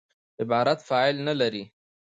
عبارت فاعل نه لري.